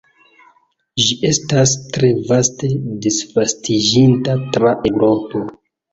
Ĝi estas tre vaste disvastiĝinta tra Eŭropo.